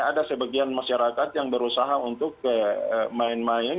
ada sebagian masyarakat yang berusaha untuk main main